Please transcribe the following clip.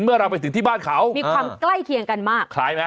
เราไปถึงที่บ้านเขามีความใกล้เคียงกันมากคล้ายไหม